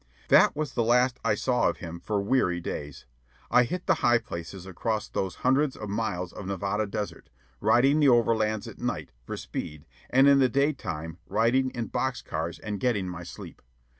That was the last I saw of him for weary days. I hit the high places across those hundreds of miles of Nevada desert, riding the overlands at night, for speed, and in the day time riding in box cars and getting my sleep.